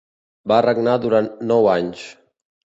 Va regnar durant nou anys.